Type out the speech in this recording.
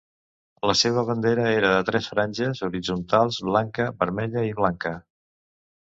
La seva bandera era de tres franges horitzontals, blanca, vermella i blanca.